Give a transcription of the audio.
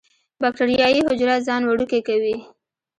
باکټریايي حجره ځان وړوکی کوي.